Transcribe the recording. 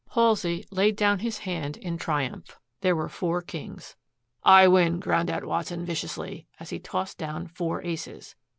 Halsey laid down his hand in triumph. There were four kings. "I win," ground out Watson viciously, as he tossed down four aces.